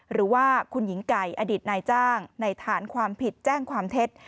หรือว่าคุณหญิงไก่อดีตนายจ้างในฐานความผิดแจ้งความเท็จ